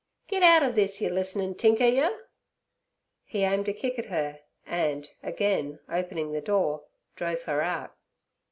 'Get out ov this, yer listenin' tinker yer!' He aimed a kick at her. and, again opening the door, drove her out.